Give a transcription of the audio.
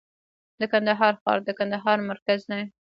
د کندهار ښار د کندهار مرکز دی